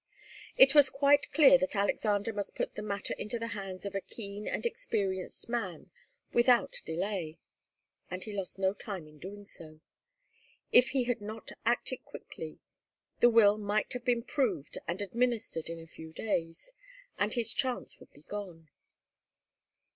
It was quite clear that Alexander must put the matter into the hands of a keen and experienced man without delay, and he lost no time in doing so. If he had not acted quickly, the will might have been proved and administered in a few days, and his chance would be gone.